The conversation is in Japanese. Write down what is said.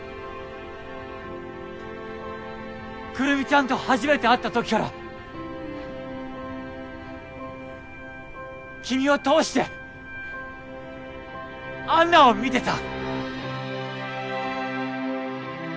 くるみちゃんと初めて会った時から君を通して安奈を見てた。